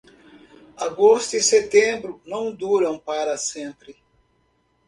Agosto e setembro não duram para sempre.